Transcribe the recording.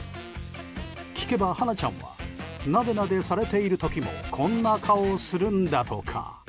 聞けば、華ちゃんはなでなでされている時もこんな顔するんだとか。